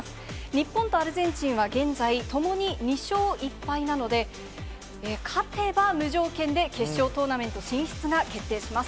日本とアルゼンチンは現在、ともに２勝１敗なので、勝てば無条件で決勝トーナメント進出が決定します。